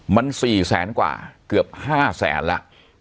มัน๔แสนกว่าเกือบ๕แสนแล้ว